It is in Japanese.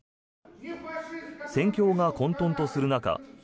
戦況が混とんとする中